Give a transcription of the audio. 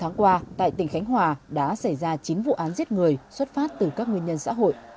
tháng qua tại tỉnh khánh hòa đã xảy ra chín vụ án giết người xuất phát từ các nguyên nhân xã hội